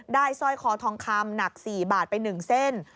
สร้อยคอทองคำหนัก๔บาทไป๑เส้น